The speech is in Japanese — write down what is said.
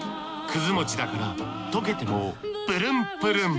餅だからとけてもプルンプルン。